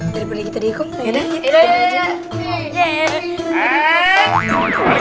daripada kita di ikut yaudah